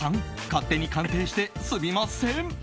勝手に鑑定してすみません。